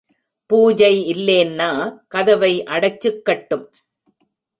பூஜை இல்லேன்னா கதவை அடைச்சுக்கட்டும்.